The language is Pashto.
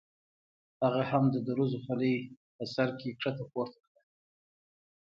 هغه هم د دروزو خولۍ په سر کې ښکته پورته کړه.